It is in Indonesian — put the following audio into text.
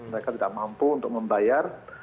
mereka tidak mampu untuk membayar